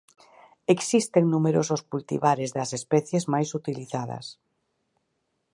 Existen numerosos cultivares das especies máis utilizadas.